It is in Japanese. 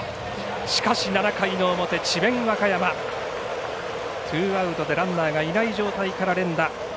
しかし７回の表、智弁和歌山ツーアウト、ランナーがいない状態から連打。